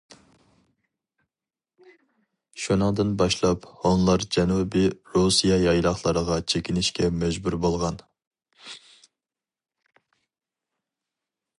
شۇنىڭدىن باشلاپ ھونلار جەنۇبىي رۇسىيە يايلاقلىرىغا چېكىنىشكە مەجبۇر بولغان.